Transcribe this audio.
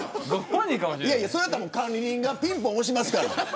それやったら管理人がピンポン押しますから。